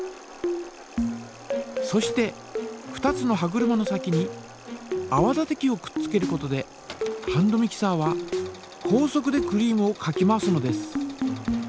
そして２つの歯車の先にあわ立て器をくっつけることでハンドミキサーは高速でクリームをかき回すのです。